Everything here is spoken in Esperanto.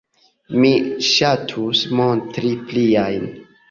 Mi ŝatus montri pliajn.